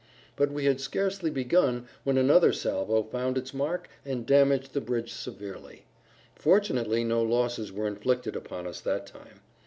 But we had scarcely begun when another salvo found its mark and damaged the bridge severely; fortunately no losses were inflicted upon us that time.